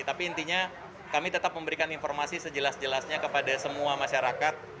tapi intinya kami tetap memberikan informasi sejelas jelasnya kepada semua masyarakat